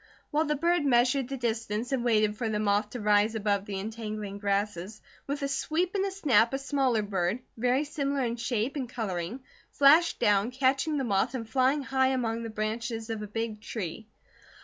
While the bird measured the distance and waited for the moth to rise above the entangling grasses, with a sweep and a snap a smaller bird, very similar in shape and colouring, flashed down, catching the moth and flying high among the branches of a big tree.